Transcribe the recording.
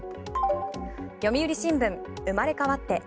読売新聞、生まれ変わって。